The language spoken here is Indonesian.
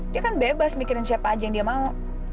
dia kan bebas mikirin siapa aja yang dia mau